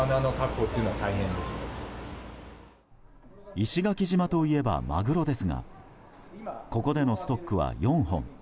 石垣島といえばマグロですがここでのストックは４本。